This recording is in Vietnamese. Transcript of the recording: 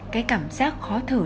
cái cảm giác khó thở